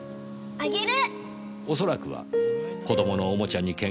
あげる！